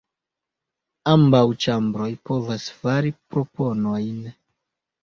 Ambaŭ ĉambroj povas fari proponojn.